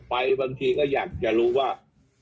บางทีก็อยากจะรู้ว่า